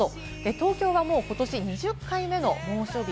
東京はもうことし、２０回目の猛暑日。